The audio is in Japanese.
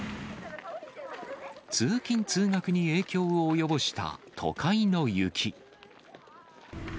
通勤・通学に影響を及ぼした都会の雪。